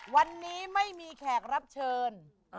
วันนี้ไม่มีแขกรับเชิญ